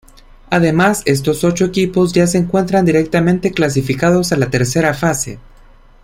Además estos ocho equipos ya se encuentran directamente clasificados a la Tercera fase.